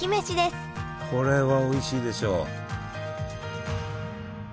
これはおいしいでしょう。